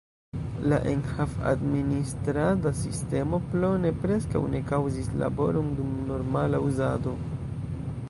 La enhav-administrada sistemo Plone preskaŭ ne kaŭzis laboron dum normala uzado.